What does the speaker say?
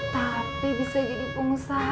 tapi bisa jadi pengusaha